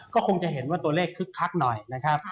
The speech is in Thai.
ก็คงจะเห็นว่าตัวเลขคึกคักหน่อยนะครับ